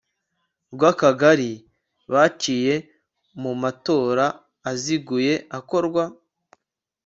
rw akagari biciye mu matora aziguye akorwa